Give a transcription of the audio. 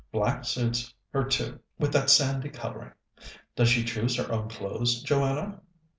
Black suits her, too, with that sandy colouring. Does she choose her own clothes, Joanna?"